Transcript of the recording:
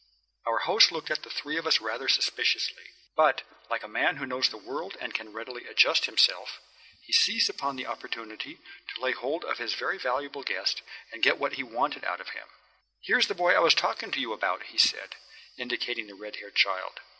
Our host looked at the three of us rather suspiciously. But, like a man who knows the world and can readily adjust himself, he seized upon the opportunity to lay hold of his very valuable guest and get what he wanted out of him. "Here's the boy I was talking to you about," he said, indicating the red haired child.